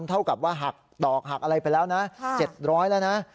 เท่ากับว่าหักตอกหักอะไรไปแล้วนะ๗๐๐แล้วนะ